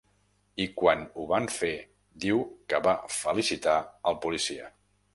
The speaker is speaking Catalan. I quan ho van fer, diu que va felicitar el policia.